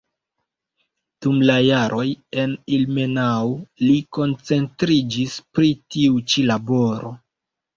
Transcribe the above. Dum la jaroj en Ilmenau li koncentriĝis pri tiu ĉi laboro.